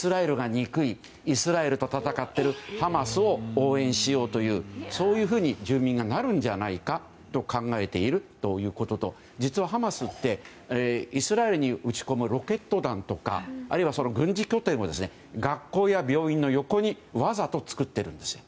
憎いイスラエルと戦っているハマスを応援しようというそういうふうになるんじゃないかと考えているということと実はハマスってイスラエルに撃ち込むロケット弾とかあるいは軍事拠点を学校や病院の横にわざと作ってるんです。